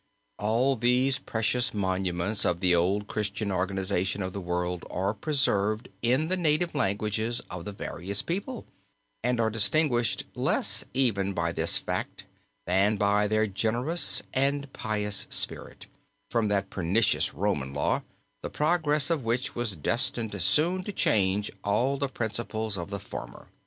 All these precious monuments of the old Christian organization of the world are preserved in the native languages of the various people, and are distinguished, less even by this fact than by their generous and pious spirit, from that pernicious Roman law, the progress of which was destined soon to change all the principles of the former."